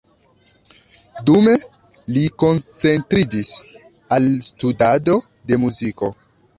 Dume, li koncentriĝis al studado de muziko.